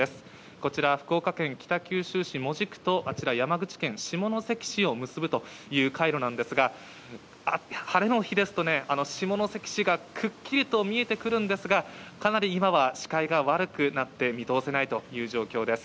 こちら、福岡県北九州市門司区と、あちら、山口県下関市を結ぶという海路なんですが、晴れの日ですと、下関市がくっきりと見えてくるんですが、かなり今は視界が悪くなって見通せないという状況です。